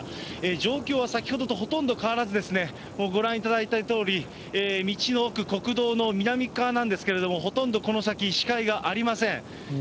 状況は先ほどとほとんど変わらずですね、ご覧いただいたとおり、道の奥、国道の南側なんですけれども、ほとんどこの先、視界がありません。